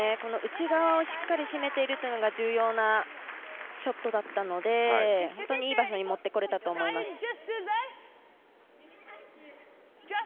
内側をしっかり占めているというのが重要なショットだったので本当に、いい場所に持ってこれたと思います。